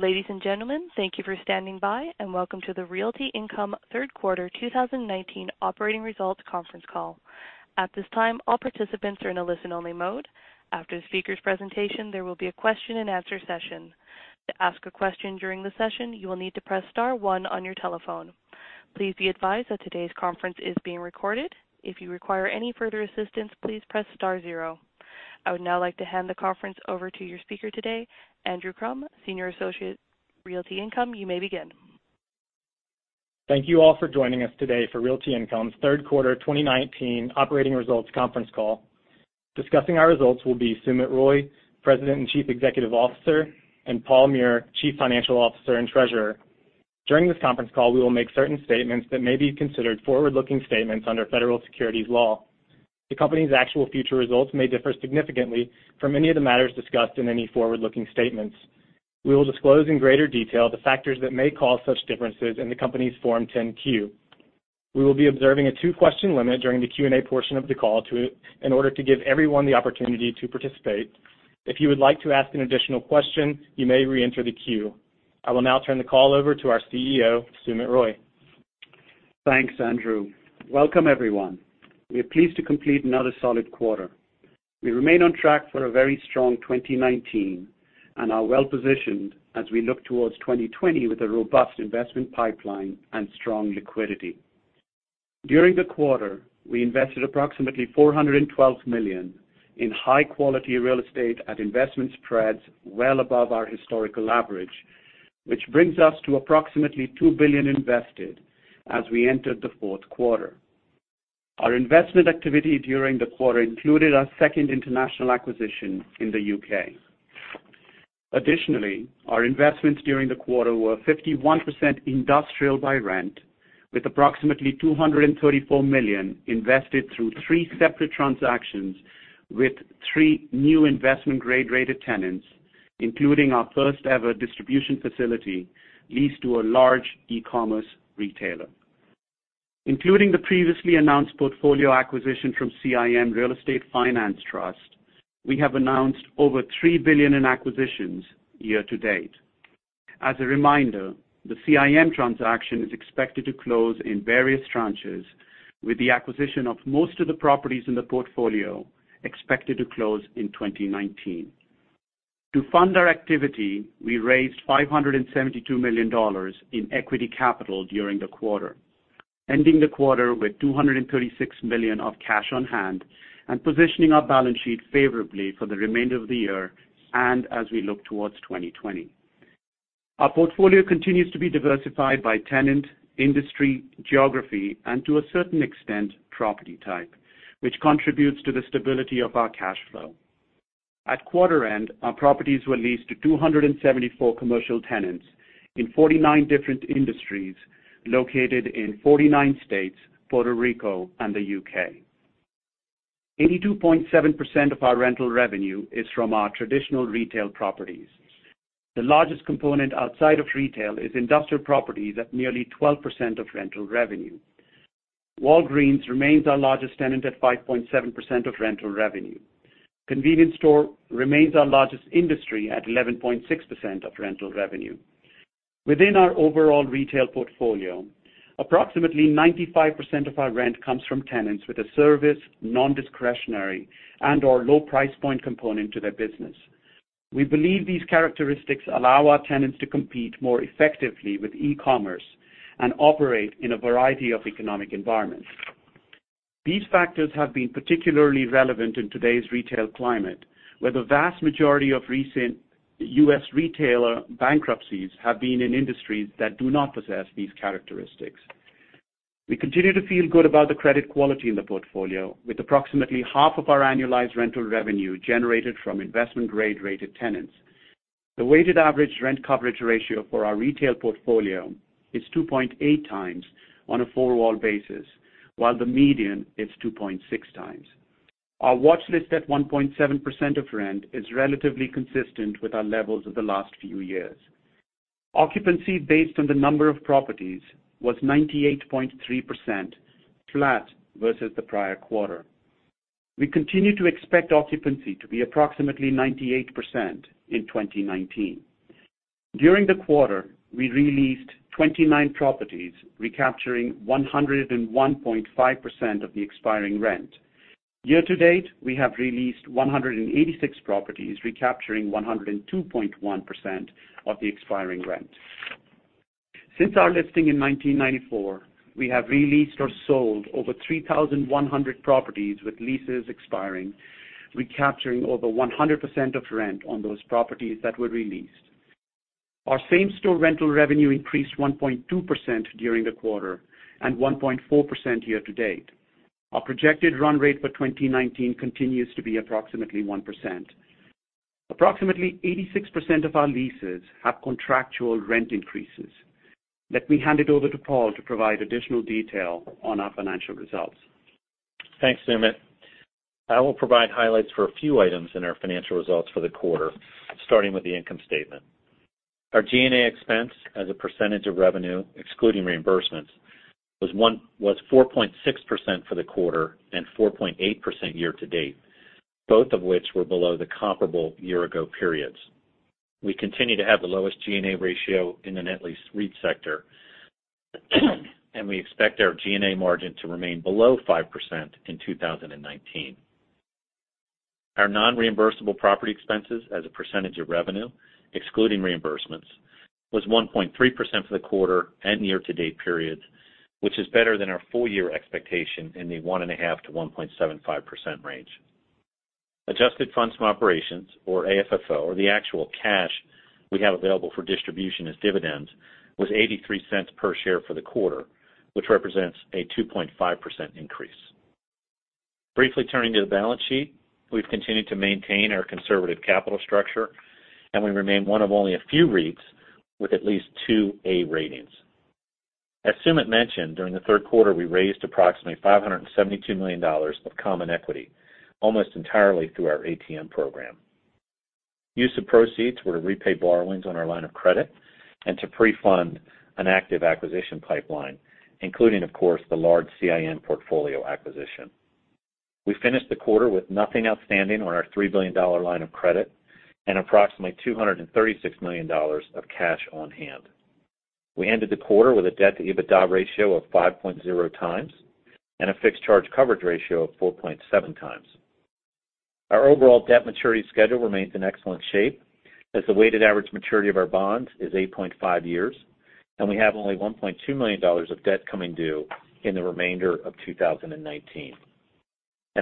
Ladies and gentlemen, thank you for standing by, welcome to the Realty Income Third Quarter 2019 Operating Results Conference Call. At this time, all participants are in a listen-only mode. After the speaker's presentation, there will be a question and answer session. To ask a question during the session, you will need to press star one on your telephone. Please be advised that today's conference is being recorded. If you require any further assistance, please press star zero. I would now like to hand the conference over to your speaker today, Andrew Crum, Senior Associate Realty Income. You may begin. Thank you all for joining us today for Realty Income's Third Quarter 2019 Operating Results Conference Call. Discussing our results will be Sumit Roy, President and Chief Executive Officer, and Paul Meurer, Chief Financial Officer and Treasurer. During this conference call, we will make certain statements that may be considered forward-looking statements under Federal Securities law. The company's actual future results may differ significantly from any of the matters discussed in any forward-looking statements. We will disclose in greater detail the factors that may cause such differences in the company's Form 10-Q. We will be observing a two-question limit during the Q&A portion of the call in order to give everyone the opportunity to participate. If you would like to ask an additional question, you may re-enter the queue. I will now turn the call over to our CEO, Sumit Roy. Thanks, Andrew. Welcome, everyone. We are pleased to complete another solid quarter. We remain on track for a very strong 2019 and are well-positioned as we look towards 2020 with a robust investment pipeline and strong liquidity. During the quarter, we invested approximately $412 million in high-quality real estate at investment spreads well above our historical average, which brings us to approximately $2 billion invested as we entered the fourth quarter. Our investment activity during the quarter included our second international acquisition in the U.K. Additionally, our investments during the quarter were 51% industrial by rent, with approximately $234 million invested through three separate transactions with three new investment grade rated tenants, including our first-ever distribution facility leased to a large e-commerce retailer. Including the previously announced portfolio acquisition from CIM Real Estate Finance Trust, we have announced over $3 billion in acquisitions year to date. As a reminder, the CIM transaction is expected to close in various tranches, with the acquisition of most of the properties in the portfolio expected to close in 2019. To fund our activity, we raised $572 million in equity capital during the quarter, ending the quarter with $236 million of cash on hand and positioning our balance sheet favorably for the remainder of the year and as we look towards 2020. Our portfolio continues to be diversified by tenant, industry, geography, and to a certain extent, property type, which contributes to the stability of our cash flow. At quarter end, our properties were leased to 274 commercial tenants in 49 different industries located in 49 states, Puerto Rico, and the U.K. 82.7% of our rental revenue is from our traditional retail properties. The largest component outside of retail is industrial properties at nearly 12% of rental revenue. Walgreens remains our largest tenant at 5.7% of rental revenue. Convenience store remains our largest industry at 11.6% of rental revenue. Within our overall retail portfolio, approximately 95% of our rent comes from tenants with a service, non-discretionary, and/or low price point component to their business. We believe these characteristics allow our tenants to compete more effectively with e-commerce and operate in a variety of economic environments. These factors have been particularly relevant in today's retail climate, where the vast majority of recent U.S. retailer bankruptcies have been in industries that do not possess these characteristics. We continue to feel good about the credit quality in the portfolio, with approximately half of our annualized rental revenue generated from investment-grade-rated tenants. The weighted average rent coverage ratio for our retail portfolio is 2.8 times on a four-wall basis, while the median is 2.6 times. Our watch list at 1.7% of rent is relatively consistent with our levels of the last few years. Occupancy based on the number of properties was 98.3%, flat versus the prior quarter. We continue to expect occupancy to be approximately 98% in 2019. During the quarter, we re-leased 29 properties, recapturing 101.5% of the expiring rent. Year to date, we have re-leased 186 properties, recapturing 102.1% of the expiring rent. Since our listing in 1994, we have re-leased or sold over 3,100 properties with leases expiring, recapturing over 100% of rent on those properties that were re-leased. Our same-store rental revenue increased 1.2% during the quarter and 1.4% year to date. Our projected run rate for 2019 continues to be approximately 1%. Approximately 86% of our leases have contractual rent increases. Let me hand it over to Paul to provide additional detail on our financial results. Thanks, Sumit. I will provide highlights for a few items in our financial results for the quarter, starting with the income statement. Our G&A expense as a percentage of revenue, excluding reimbursements, was 4.6% for the quarter and 4.8% year-to-date, both of which were below the comparable year-ago periods. We continue to have the lowest G&A ratio in the net lease REIT sector, and we expect our G&A margin to remain below 5% in 2019. Our non-reimbursable property expenses as a percentage of revenue, excluding reimbursements, was 1.3% for the quarter and year-to-date periods, which is better than our full-year expectation in the 1.5%-1.75% range. Adjusted funds from operations or AFFO, or the actual cash we have available for distribution as dividends, was $0.83 per share for the quarter, which represents a 2.5% increase. Briefly turning to the balance sheet. We've continued to maintain our conservative capital structure, and we remain one of only a few REITs with at least two A ratings. As Sumit mentioned, during the third quarter, we raised approximately $572 million of common equity, almost entirely through our ATM program. Use of proceeds were to repay borrowings on our line of credit and to pre-fund an active acquisition pipeline, including, of course, the large CIM portfolio acquisition. We finished the quarter with nothing outstanding on our $3 billion line of credit and approximately $236 million of cash on hand. We ended the quarter with a debt-to-EBITDA ratio of 5.0 times and a fixed charge coverage ratio of 4.7 times. Our overall debt maturity schedule remains in excellent shape, as the weighted average maturity of our bonds is 8.5 years, and we have only $1.2 million of debt coming due in the remainder of 2019.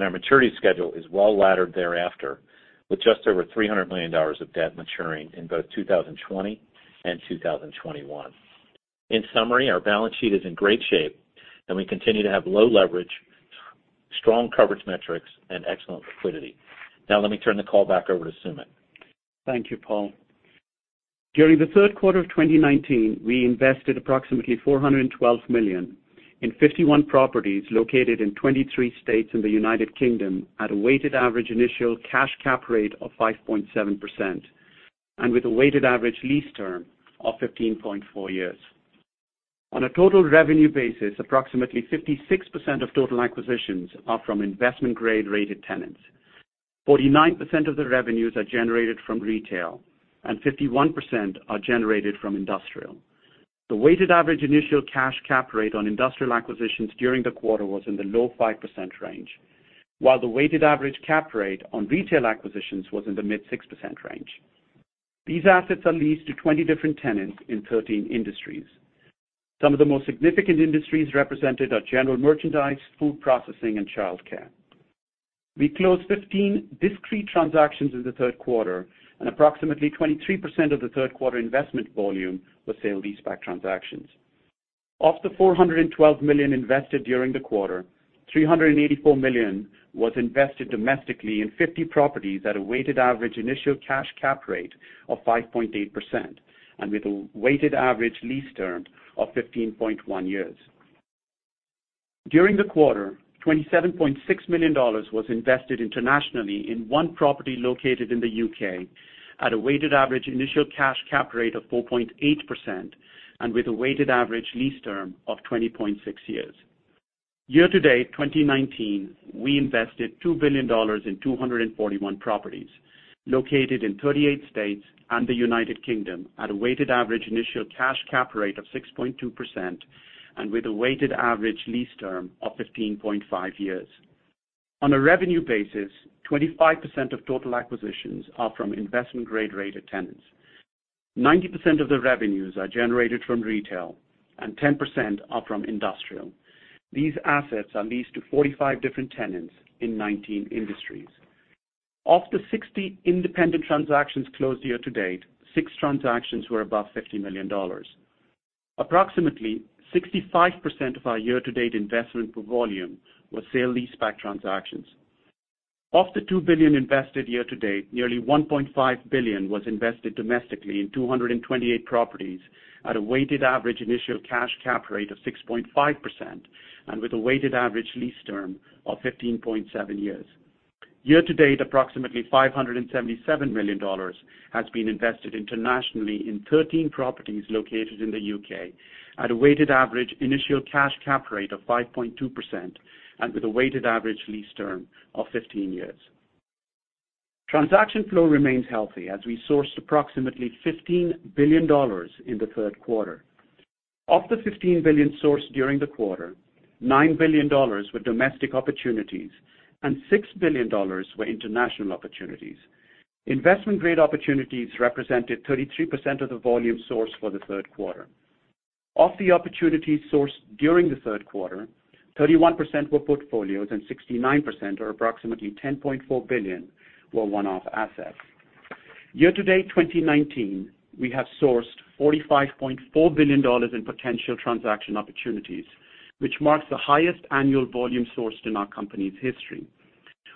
Our maturity schedule is well-laddered thereafter, with just over $300 million of debt maturing in both 2020 and 2021. In summary, our balance sheet is in great shape, and we continue to have low leverage, strong coverage metrics, and excellent liquidity. Now, let me turn the call back over to Sumit. Thank you, Paul. During the third quarter of 2019, we invested approximately $412 million in 51 properties located in 23 states in the United Kingdom at a weighted average initial cash cap rate of 5.7% and with a weighted average lease term of 15.4 years. On a total revenue basis, approximately 56% of total acquisitions are from investment-grade-rated tenants, 49% of the revenues are generated from retail, and 51% are generated from industrial. The weighted average initial cash cap rate on industrial acquisitions during the quarter was in the low 5% range, while the weighted average cap rate on retail acquisitions was in the mid 6% range. These assets are leased to 20 different tenants in 13 industries. Some of the most significant industries represented are general merchandise, food processing, and childcare. We closed 15 discrete transactions in the third quarter, and approximately 23% of the third quarter investment volume was sale-leaseback transactions. Of the $412 million invested during the quarter, $384 million was invested domestically in 50 properties at a weighted average initial cash cap rate of 5.8% and with a weighted average lease term of 15.1 years. During the quarter, GBP 27.6 million was invested internationally in one property located in the U.K. at a weighted average initial cash cap rate of 4.8% and with a weighted average lease term of 20.6 years. Year-to-date 2019, we invested $2 billion in 241 properties located in 38 states and the United Kingdom at a weighted average initial cash cap rate of 6.2% and with a weighted average lease term of 15.5 years. On a revenue basis, 25% of total acquisitions are from investment-grade-rated tenants, 90% of the revenues are generated from retail, and 10% are from industrial. These assets are leased to 45 different tenants in 19 industries. Of the 60 independent transactions closed year-to-date, six transactions were above $50 million. Approximately 65% of our year-to-date investment volume was sale-leaseback transactions. Of the $2 billion invested year-to-date, nearly $1.5 billion was invested domestically in 228 properties at a weighted average initial cash cap rate of 6.5% and with a weighted average lease term of 15.7 years. Year-to-date, approximately $577 million has been invested internationally in 13 properties located in the U.K. at a weighted average initial cash cap rate of 5.2% and with a weighted average lease term of 15 years. Transaction flow remains healthy as we sourced approximately $15 billion in the third quarter. Of the $15 billion sourced during the quarter, $9 billion were domestic opportunities and $6 billion were international opportunities. Investment-grade opportunities represented 33% of the volume sourced for the third quarter. Of the opportunities sourced during the third quarter, 31% were portfolios and 69%, or approximately $10.4 billion, were one-off assets. Year-to-date 2019, we have sourced $45.4 billion in potential transaction opportunities, which marks the highest annual volume sourced in our company's history.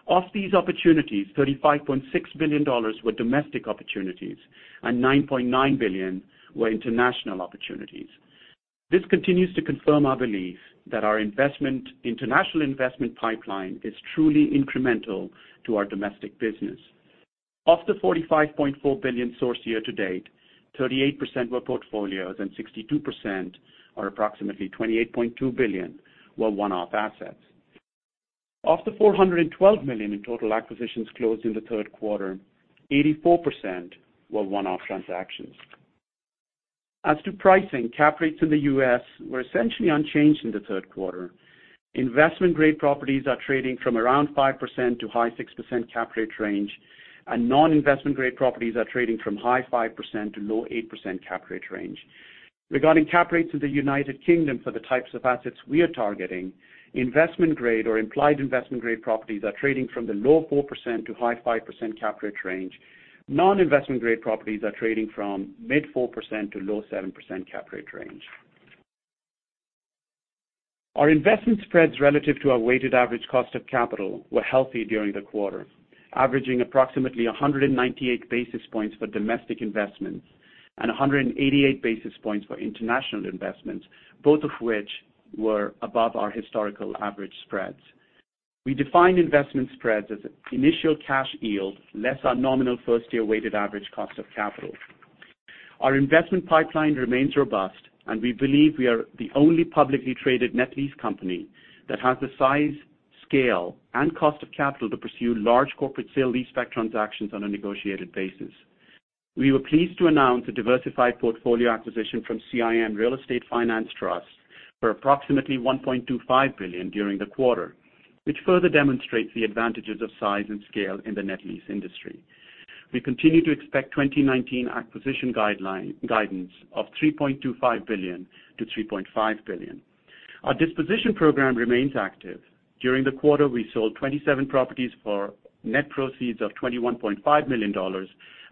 Of these opportunities, $35.6 billion were domestic opportunities and $9.9 billion were international opportunities. This continues to confirm our belief that our international investment pipeline is truly incremental to our domestic business. Of the $45.4 billion sourced year to date, 38% were portfolios and 62%, or approximately $28.2 billion, were one-off assets. Of the $412 million in total acquisitions closed in the third quarter, 84% were one-off transactions. As to pricing, cap rates in the U.S. were essentially unchanged in the third quarter. Investment-grade properties are trading from around 5%-high 6% cap rate range, and non-investment grade properties are trading from high 5%-low 8% cap rate range. Regarding cap rates in the U.K. for the types of assets we are targeting, investment-grade or implied investment-grade properties are trading from the low 4%-high 5% cap rate range. Non-investment grade properties are trading from mid-4%-low 7% cap rate range. Our investment spreads relative to our weighted average cost of capital were healthy during the quarter, averaging approximately 198 basis points for domestic investments and 188 basis points for international investments, both of which were above our historical average spreads. We define investment spreads as initial cash yield less our nominal first-year weighted average cost of capital. Our investment pipeline remains robust, and we believe we are the only publicly traded net lease company that has the size, scale, and cost of capital to pursue large corporate sale-leaseback transactions on a negotiated basis. We were pleased to announce a diversified portfolio acquisition from CIM Real Estate Finance Trust for approximately $1.25 billion during the quarter, which further demonstrates the advantages of size and scale in the net lease industry. We continue to expect 2019 acquisition guidance of $3.25 billion-$3.5 billion. Our disposition program remains active. During the quarter, we sold 27 properties for net proceeds of $21.5 million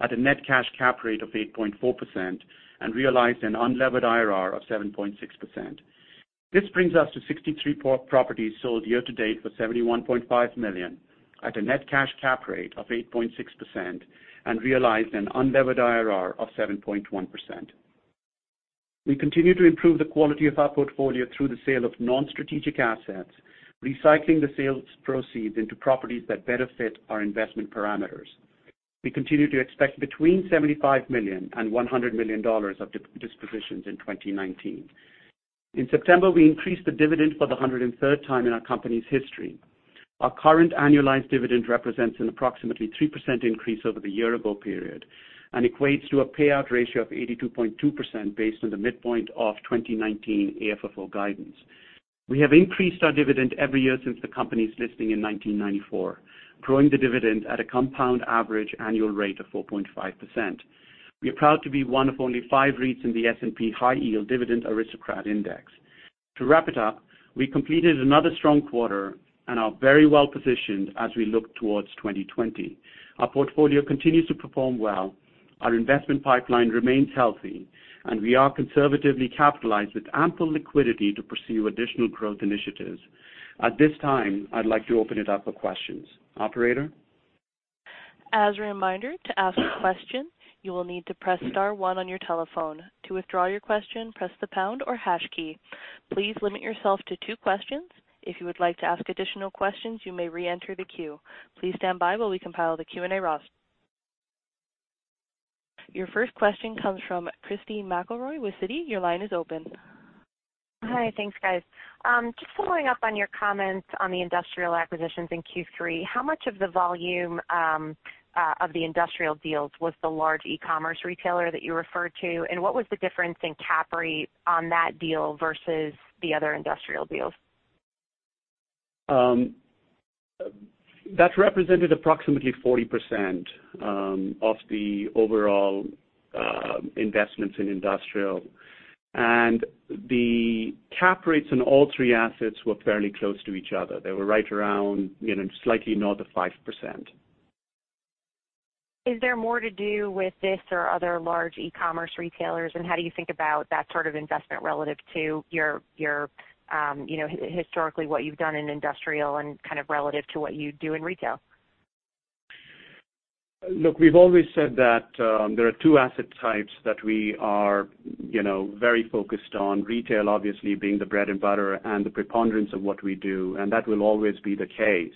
at a net cash cap rate of 8.4% and realized an unlevered IRR of 7.6%. This brings us to 63 properties sold year to date for $71.5 million at a net cash cap rate of 8.6% and realized an unlevered IRR of 7.1%. We continue to improve the quality of our portfolio through the sale of non-strategic assets, recycling the sales proceeds into properties that better fit our investment parameters. We continue to expect between $75 million and $100 million of dispositions in 2019. In September, we increased the dividend for the 103rd time in our company's history. Our current annualized dividend represents an approximately 3% increase over the year-ago period and equates to a payout ratio of 82.2%, based on the midpoint of 2019 AFFO guidance. We have increased our dividend every year since the company's listing in 1994, growing the dividend at a compound average annual rate of 4.5%. We are proud to be one of only 5 REITs in the S&P High Yield Dividend Aristocrat Index. To wrap it up, we completed another strong quarter and are very well positioned as we look towards 2020. Our portfolio continues to perform well. Our investment pipeline remains healthy, and we are conservatively capitalized with ample liquidity to pursue additional growth initiatives. At this time, I'd like to open it up for questions. Operator? As a reminder, to ask a question, you will need to press star one on your telephone. To withdraw your question, press the pound or hash key. Please limit yourself to two questions. If you would like to ask additional questions, you may re-enter the queue. Please stand by while we compile the Q&A roster. Your first question comes from Christy McElroy with Citi. Your line is open. Hi. Thanks, guys. Following up on your comments on the industrial acquisitions in Q3, how much of the volume of the industrial deals was the large e-commerce retailer that you referred to, and what was the difference in cap rate on that deal versus the other industrial deals? That represented approximately 40% of the overall investments in industrial. The cap rates on all three assets were fairly close to each other. They were right around slightly north of 5%. Is there more to do with this or other large e-commerce retailers, and how do you think about that sort of investment relative to historically what you've done in industrial and kind of relative to what you do in retail? Look, we've always said that there are two asset types that we are very focused on. Retail, obviously being the bread and butter and the preponderance of what we do, and that will always be the case.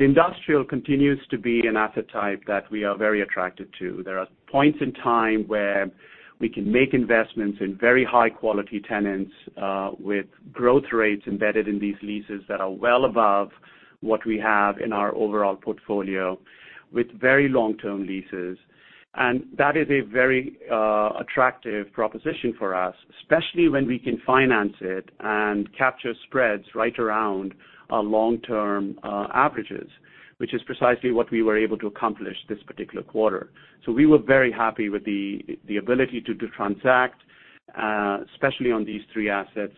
Industrial continues to be an asset type that we are very attracted to. There are points in time where we can make investments in very high-quality tenants with growth rates embedded in these leases that are well above what we have in our overall portfolio with very long-term leases. That is a very attractive proposition for us, especially when we can finance it and capture spreads right around our long-term averages, which is precisely what we were able to accomplish this particular quarter. We were very happy with the ability to transact, especially on these three assets.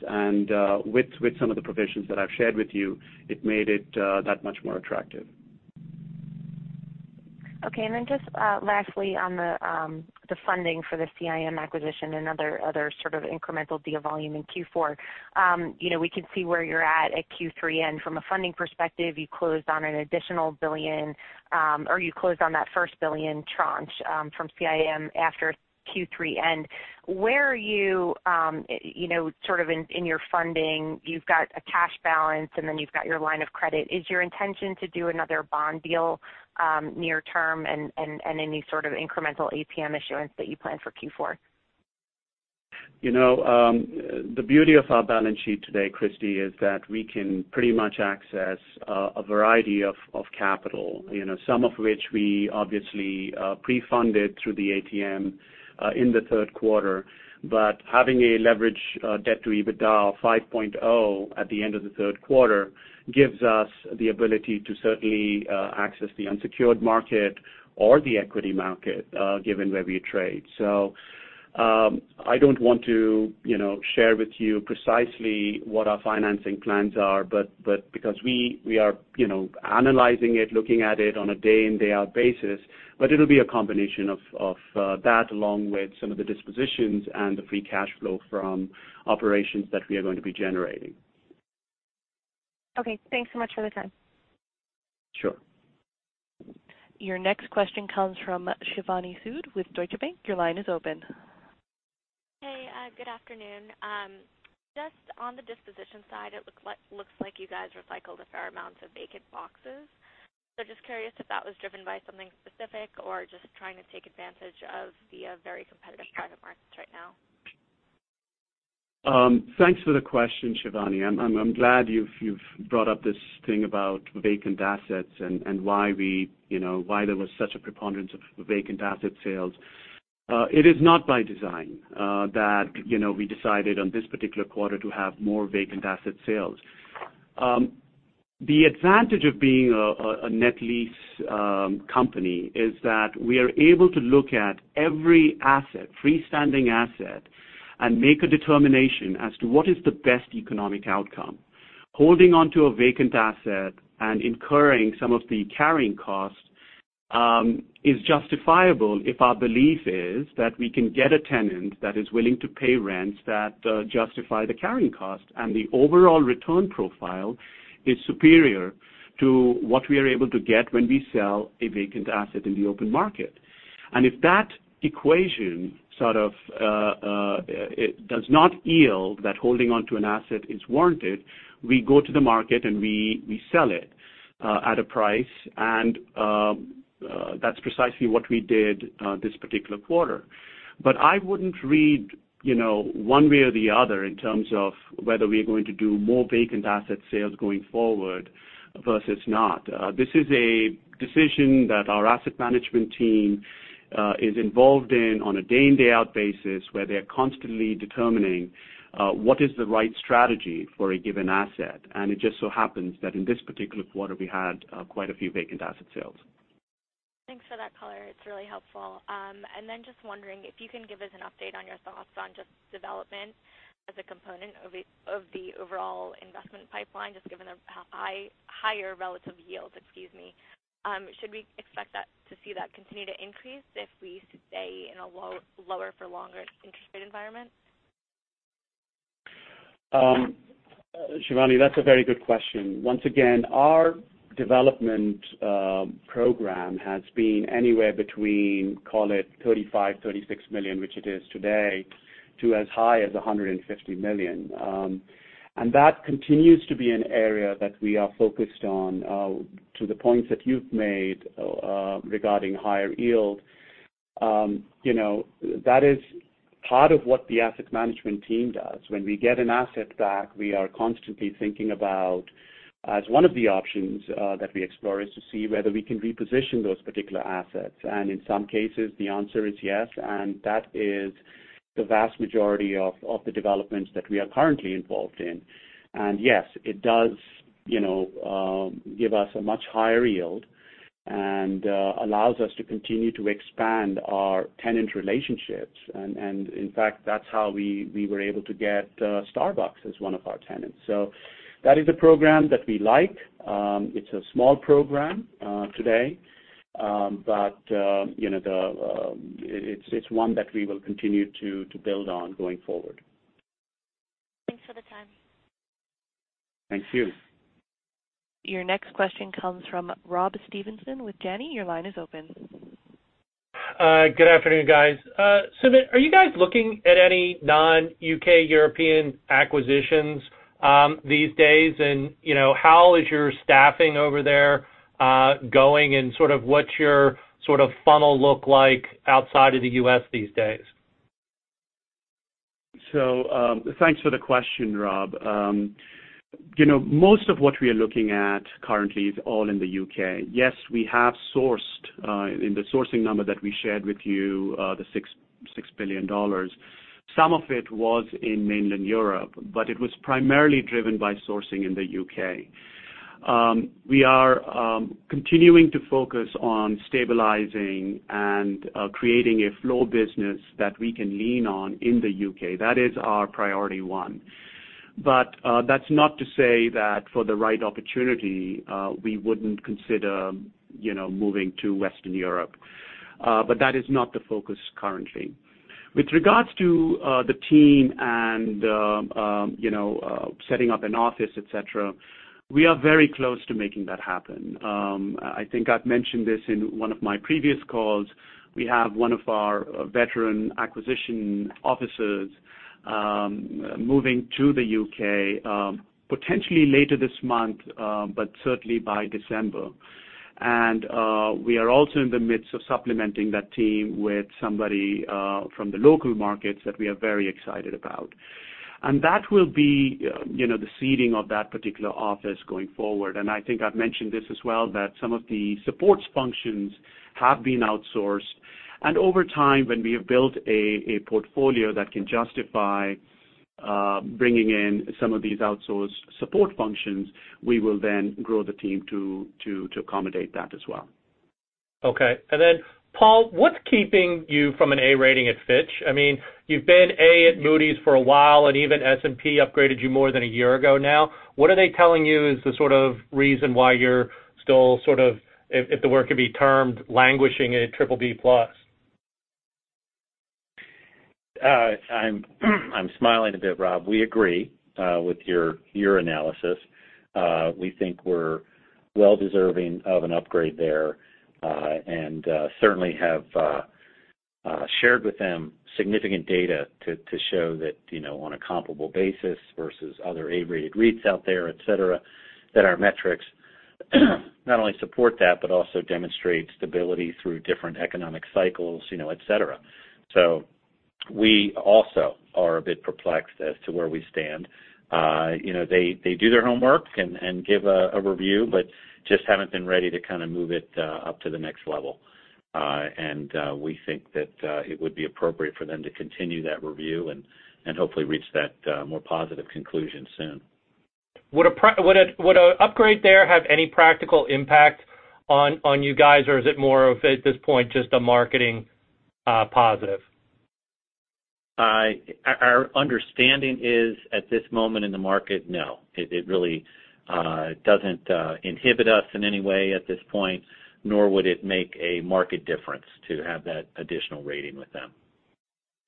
With some of the provisions that I've shared with you, it made it that much more attractive. Okay. Just lastly, on the funding for the CIM acquisition and other sort of incremental deal volume in Q4. We can see where you're at Q3 end. From a funding perspective, you closed on that first $1 billion tranche from CIM after Q3 end. Where are you in your funding? You've got a cash balance, and then you've got your line of credit. Is your intention to do another bond deal near term and any sort of incremental ATM issuance that you plan for Q4? The beauty of our balance sheet today, Christy, is that we can pretty much access a variety of capital, some of which we obviously pre-funded through the ATM in the third quarter. Having a leverage debt to EBITDA of 5.0 at the end of the third quarter gives us the ability to certainly access the unsecured market or the equity market, given where we trade. I don't want to share with you precisely what our financing plans are, because we are analyzing it, looking at it on a day-in day-out basis. It'll be a combination of that along with some of the dispositions and the free cash flow from operations that we are going to be generating. Okay. Thanks so much for the time. Sure. Your next question comes from Shivani Sood with Deutsche Bank. Your line is open. Hey, good afternoon. Just on the disposition side, it looks like you guys recycled a fair amount of vacant boxes. Just curious if that was driven by something specific or just trying to take advantage of the very competitive private market right now. Thanks for the question, Shivani. I'm glad you've brought up this thing about vacant assets and why there was such a preponderance of vacant asset sales. It is not by design that we decided on this particular quarter to have more vacant asset sales. The advantage of being a net lease company is that we are able to look at every freestanding asset and make a determination as to what is the best economic outcome. Holding onto a vacant asset and incurring some of the carrying costs is justifiable if our belief is that we can get a tenant that is willing to pay rents that justify the carrying cost, and the overall return profile is superior to what we are able to get when we sell a vacant asset in the open market. If that equation sort of does not yield that holding onto an asset is warranted, we go to the market, and we sell it at a price. That's precisely what we did this particular quarter. I wouldn't read one way or the other in terms of whether we are going to do more vacant asset sales going forward versus not. This is a decision that our asset management team is involved in on a day-in day-out basis, where they're constantly determining what is the right strategy for a given asset. It just so happens that in this particular quarter, we had quite a few vacant asset sales. Thanks for that color. It's really helpful. Just wondering if you can give us an update on your thoughts on just development as a component of the overall investment pipeline, just given the higher relative yield. Should we expect to see that continue to increase if we stay in a lower for longer interest rate environment? Shivani, that's a very good question. Once again, our development program has been anywhere between, call it $35 million-$36 million, which it is today, to as high as $150 million. That continues to be an area that we are focused on. To the points that you've made regarding higher yield. That is part of what the asset management team does. When we get an asset back, we are constantly thinking about, as one of the options that we explore, is to see whether we can reposition those particular assets. In some cases, the answer is yes, and that is the vast majority of the developments that we are currently involved in. Yes, it does give us a much higher yield and allows us to continue to expand our tenant relationships. In fact, that's how we were able to get Starbucks as one of our tenants. That is a program that we like. It's a small program today. It's one that we will continue to build on going forward. Thanks for the time. Thank you. Your next question comes from Rob Stevenson with Janney. Your line is open. Good afternoon, guys. Sumit, are you guys looking at any non-U.K. European acquisitions these days? How is your staffing over there going, and sort of what's your funnel look like outside of the U.S. these days? Thanks for the question, Rob. Most of what we are looking at currently is all in the U.K. Yes, we have sourced in the sourcing number that we shared with you, the $6 billion. Some of it was in mainland Europe, it was primarily driven by sourcing in the U.K. We are continuing to focus on stabilizing and creating a flow business that we can lean on in the U.K. That is our priority one. That's not to say that for the right opportunity, we wouldn't consider moving to Western Europe. That is not the focus currently. With regards to the team and setting up an office, et cetera, we are very close to making that happen. I think I've mentioned this in one of my previous calls. We have one of our veteran acquisition officers moving to the U.K., potentially later this month, but certainly by December. We are also in the midst of supplementing that team with somebody from the local markets that we are very excited about. That will be the seeding of that particular office going forward. I think I've mentioned this as well, that some of the support functions have been outsourced. Over time, when we have built a portfolio that can justify bringing in some of these outsourced support functions, we will then grow the team to accommodate that as well. Okay. Paul, what's keeping you from an A rating at Fitch? You've been A at Moody's for a while, and even S&P upgraded you more than a year ago now. What are they telling you is the reason why you're still, if the word could be termed, languishing at BBB+? I'm smiling a bit, Rob. We agree with your analysis. We think we're well-deserving of an upgrade there, and certainly have shared with them significant data to show that on a comparable basis versus other A-rated REITs out there, et cetera, that our metrics not only support that, but also demonstrate stability through different economic cycles, et cetera. We also are a bit perplexed as to where we stand. They do their homework and give a review, but just haven't been ready to move it up to the next level. We think that it would be appropriate for them to continue that review and hopefully reach that more positive conclusion soon. Would an upgrade there have any practical impact on you guys, or is it more of, at this point, just a marketing positive? Our understanding is, at this moment in the market, no. It really doesn't inhibit us in any way at this point, nor would it make a market difference to have that additional rating with them.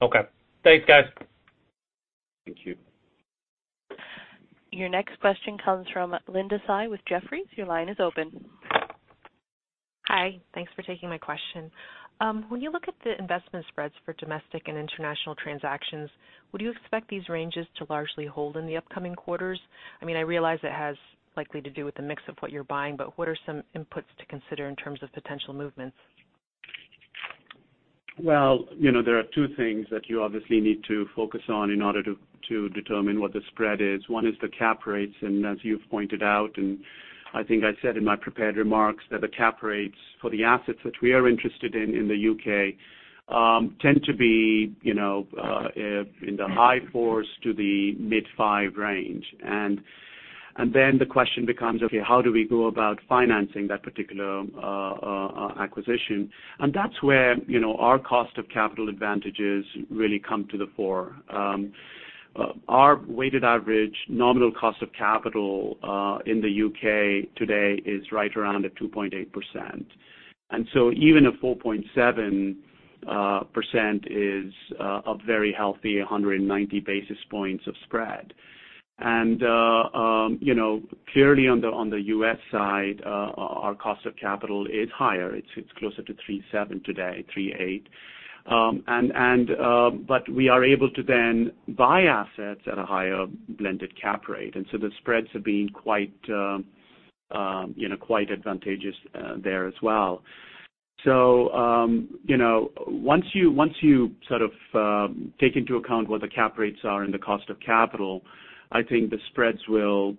Okay. Thanks, guys. Thank you. Your next question comes from Linda Tsai with Jefferies. Your line is open. Hi. Thanks for taking my question. When you look at the investment spreads for domestic and international transactions, would you expect these ranges to largely hold in the upcoming quarters? I realize it has likely to do with the mix of what you're buying, but what are some inputs to consider in terms of potential movements? There are two things that you obviously need to focus on in order to determine what the spread is. One is the cap rates, and as you've pointed out, and I think I said in my prepared remarks, that the cap rates for the assets that we are interested in the U.K., tend to be in the high fours to the mid five range. The question becomes, okay, how do we go about financing that particular acquisition? That's where our cost of capital advantages really come to the fore. Our weighted average nominal cost of capital in the U.K. today is right around at 2.8%. Even a 4.7% is a very healthy 190 basis points of spread. Clearly on the U.S. side, our cost of capital is higher. It's closer to 3.7% today, 3.8%. We are able to then buy assets at a higher blended cap rate. The spreads have been quite advantageous there as well. Once you take into account what the cap rates are and the cost of capital, I think the spreads will,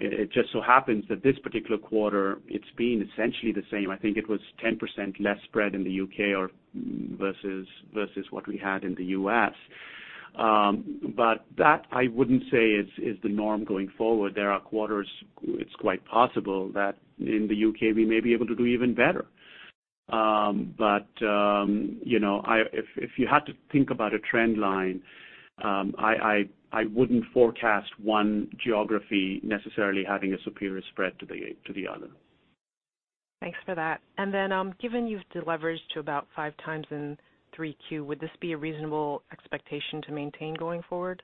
it just so happens that this particular quarter, it's been essentially the same. I think it was 10% less spread in the U.K. versus what we had in the U.S. That, I wouldn't say is the norm going forward. There are quarters, it's quite possible that in the U.K. we may be able to do even better. If you had to think about a trend line, I wouldn't forecast one geography necessarily having a superior spread to the other. Thanks for that. Given you've deleveraged to about 5x in 3Q, would this be a reasonable expectation to maintain going forward?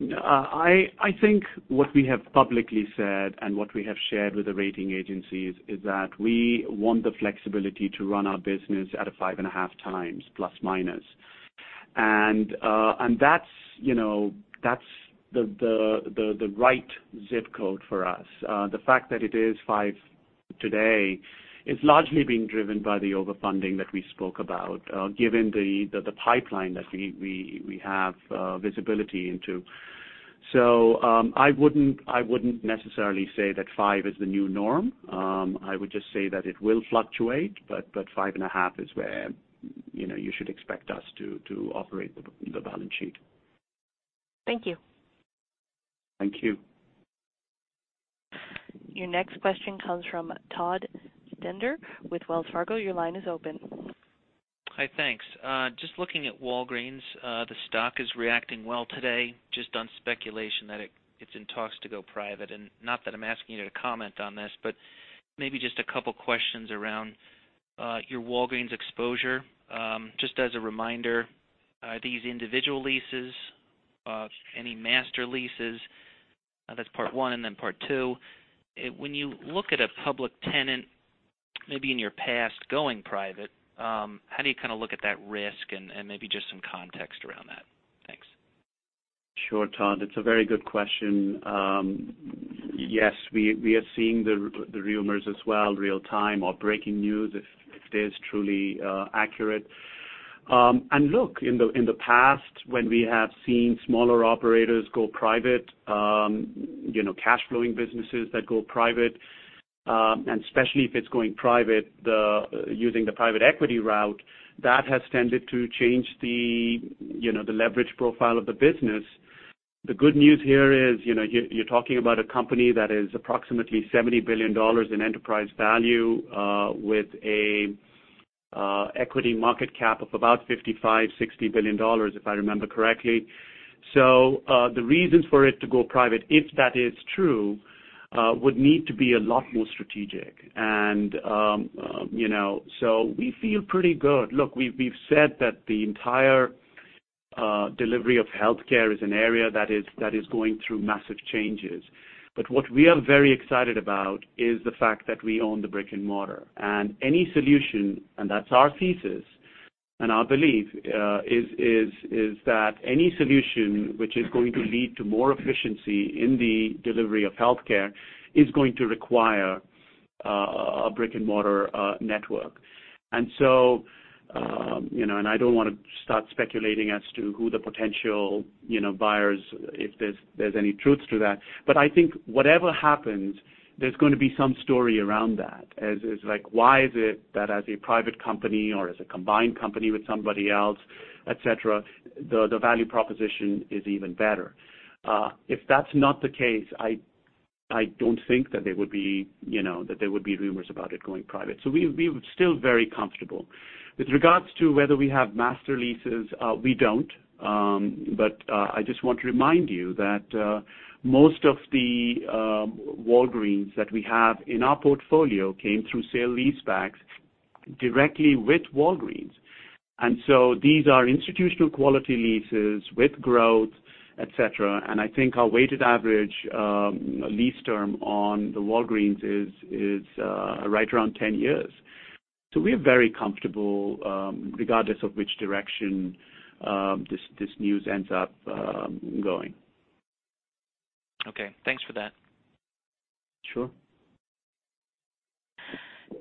I think what we have publicly said and what we have shared with the rating agencies is that we want the flexibility to run our business at a five and a half times ±. That's the right ZIP code for us. The fact that it is five today is largely being driven by the overfunding that we spoke about given the pipeline that we have visibility into. I wouldn't necessarily say that five is the new norm. I would just say that it will fluctuate, but five and a half is where you should expect us to operate the balance sheet. Thank you. Thank you. Your next question comes from Todd Stender with Wells Fargo. Your line is open. Hi, thanks. Just looking at Walgreens, the stock is reacting well today just on speculation that it's in talks to go private. Not that I'm asking you to comment on this, but maybe just a couple questions around your Walgreens exposure. Just as a reminder, these individual leases, any master leases? That's part one. Then part two, when you look at a public tenant, maybe in your past, going private, how do you look at that risk and maybe just some context around that? Thanks. Sure, Todd. It's a very good question. Yes, we are seeing the rumors as well, real time or breaking news, if it is truly accurate. Look, in the past, when we have seen smaller operators go private, cash flowing businesses that go private, and especially if it's going private using the private equity route, that has tended to change the leverage profile of the business. The good news here is, you're talking about a company that is approximately $70 billion in enterprise value, with an equity market cap of about $55 billion-$60 billion, if I remember correctly. The reasons for it to go private, if that is true, would need to be a lot more strategic. We feel pretty good. Look, we've said that the entire delivery of healthcare is an area that is going through massive changes. What we are very excited about is the fact that we own the brick-and-mortar. Any solution, and that's our thesis and our belief, is that any solution which is going to lead to more efficiency in the delivery of healthcare is going to require a brick-and-mortar network. I don't want to start speculating as to who the potential buyers, if there's any truth to that. I think whatever happens, there's going to be some story around that. As is like, why is it that as a private company or as a combined company with somebody else, et cetera, the value proposition is even better? If that's not the case, I don't think that there would be rumors about it going private. We're still very comfortable. With regards to whether we have master leases, we don't. I just want to remind you that most of the Walgreens that we have in our portfolio came through sale-leasebacks directly with Walgreens. These are institutional quality leases with growth, et cetera. I think our weighted average lease term on the Walgreens is right around 10 years. We are very comfortable, regardless of which direction this news ends up going. Okay, thanks for that. Sure.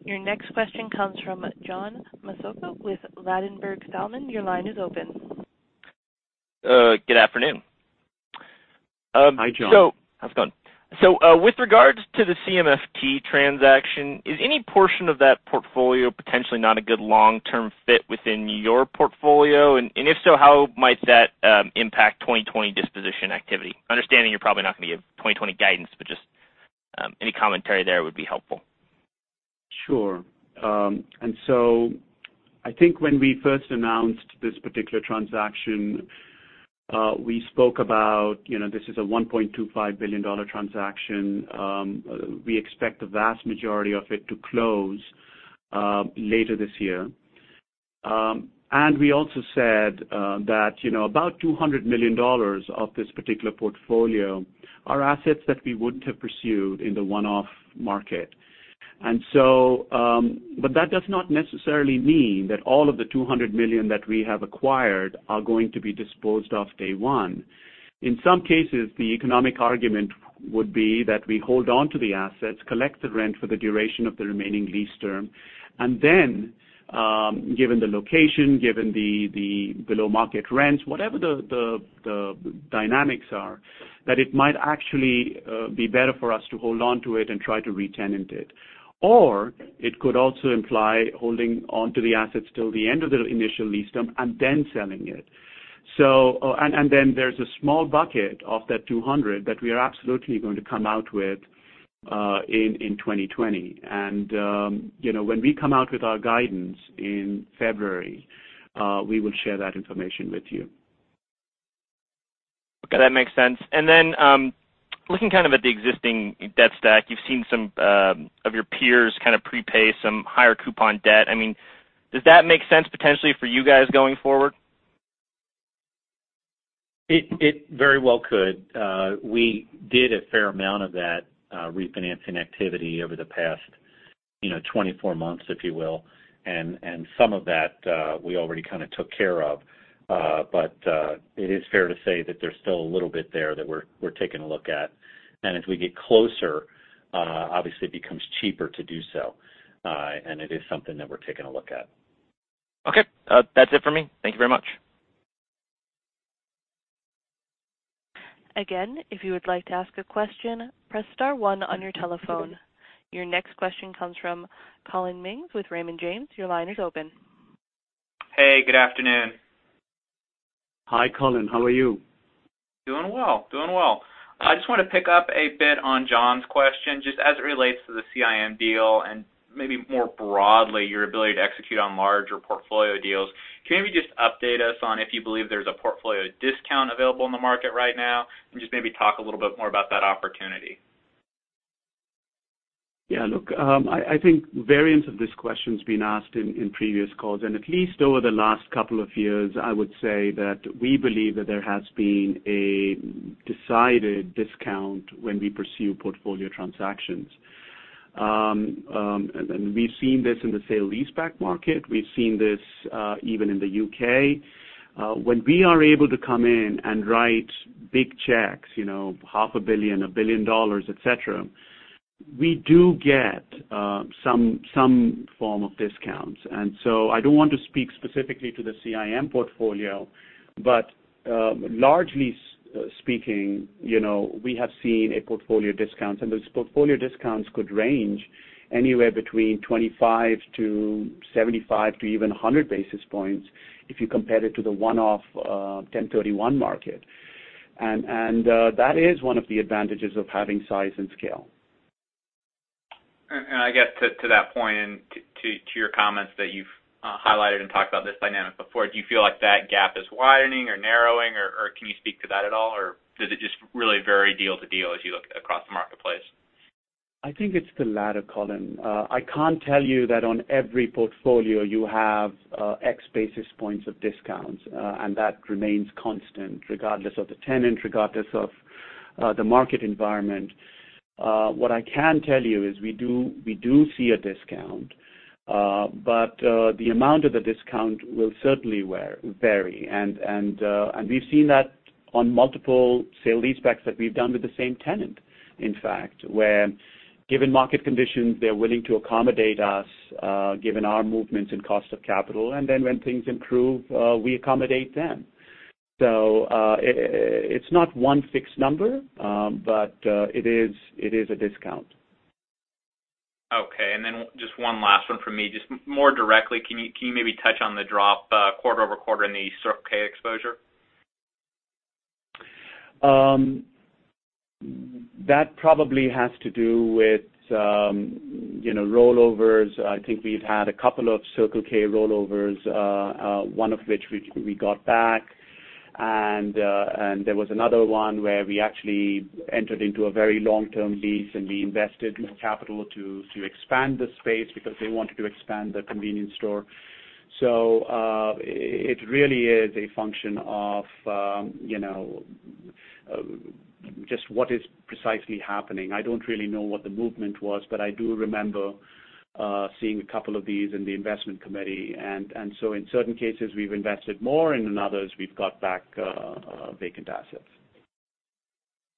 Your next question comes from John Massocca with Ladenburg Thalmann. Your line is open. Good afternoon. Hi, John. How's it going? With regards to the CMFT transaction, is any portion of that portfolio potentially not a good long-term fit within your portfolio? If so, how might that impact 2020 disposition activity? Understanding you're probably not going to give 2020 guidance, just any commentary there would be helpful. Sure. I think when we first announced this particular transaction, we spoke about, this is a $1.25 billion transaction. We expect the vast majority of it to close later this year. We also said that about $200 million of this particular portfolio are assets that we wouldn't have pursued in the one-off market. That does not necessarily mean that all of the $200 million that we have acquired are going to be disposed of day one. In some cases, the economic argument would be that we hold onto the assets, collect the rent for the duration of the remaining lease term, and then, given the location, given the below-market rents, whatever the dynamics are, that it might actually be better for us to hold onto it and try to re-tenant it. It could also imply holding onto the assets till the end of the initial lease term and then selling it. There's a small bucket of that 200 that we are absolutely going to come out with in 2020. When we come out with our guidance in February, we will share that information with you. Okay, that makes sense. Then looking at the existing debt stack, you've seen some of your peers prepay some higher coupon debt. Does that make sense potentially for you guys going forward? It very well could. We did a fair amount of that refinancing activity over the past 24 months, if you will. Some of that we already took care of. It is fair to say that there's still a little bit there that we're taking a look at. As we get closer, obviously, it becomes cheaper to do so. It is something that we're taking a look at. Okay. That's it for me. Thank you very much. Again, if you would like to ask a question, press star one on your telephone. Your next question comes from Collin Mings with Raymond James. Your line is open. Hey, good afternoon. Hi, Collin. How are you? Doing well. I just want to pick up a bit on John's question, just as it relates to the CIM deal and maybe more broadly, your ability to execute on larger portfolio deals. Can you maybe just update us on if you believe there's a portfolio discount available in the market right now, and just maybe talk a little bit more about that opportunity? Yeah. Look, I think variants of this question's been asked in previous calls. At least over the last couple of years, I would say that we believe that there has been a decided discount when we pursue portfolio transactions. We've seen this in the sale-leaseback market. We've seen this, even in the U.K. When we are able to come in and write big checks, half a billion, $1 billion, et cetera, we do get some form of discounts. So I don't want to speak specifically to the CIM portfolio, but largely speaking, we have seen a portfolio discount. Those portfolio discounts could range anywhere between 25 to 75 to even 100 basis points if you compare it to the one-off 1031 market. That is one of the advantages of having size and scale. I guess to that point and to your comments that you've highlighted and talked about this dynamic before, do you feel like that gap is widening or narrowing, or can you speak to that at all, or does it just really vary deal to deal as you look across the marketplace? I think it's the latter, Collin. I can't tell you that on every portfolio you have X basis points of discounts, and that remains constant regardless of the tenant, regardless of the market environment. What I can tell you is we do see a discount. The amount of the discount will certainly vary. We've seen that on multiple sale-leasebacks that we've done with the same tenant, in fact, where given market conditions, they're willing to accommodate us, given our movements in cost of capital. Then when things improve, we accommodate them. It's not one fixed number, but it is a discount. Okay, just one last one from me. Just more directly, can you maybe touch on the drop quarter-over-quarter in the Circle K exposure? That probably has to do with rollovers. I think we've had a couple of Circle K rollovers, one of which we got back. There was another one where we actually entered into a very long-term lease, and we invested capital to expand the space because they wanted to expand the convenience store. It really is a function of just what is precisely happening. I don't really know what the movement was, but I do remember seeing a couple of these in the investment committee. In certain cases, we've invested more, and in others, we've got back vacant assets.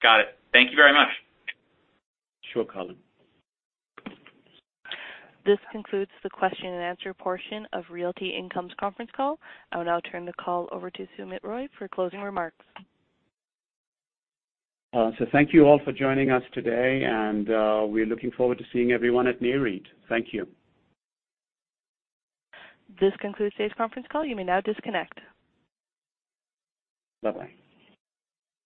Got it. Thank you very much. Sure, Collin. This concludes the question and answer portion of Realty Income's conference call. I will now turn the call over to Sumit Roy for closing remarks. Thank you all for joining us today, and we're looking forward to seeing everyone at Nareit. Thank you. This concludes today's conference call. You may now disconnect. Bye-bye.